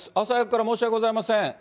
朝早くから申し訳ございません。